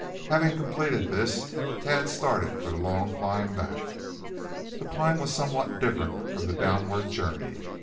Having completed this, Tad started for the long climb back. The climb was somewhat different from the downward journey.